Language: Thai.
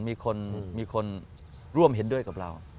มีคนร่วมเห็นด้วยกับเรา